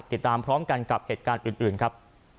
ติดตามพร้อมกันกับเหตุการณ์อื่นครับ